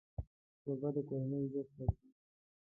کوربه د کورنۍ عزت ساتي.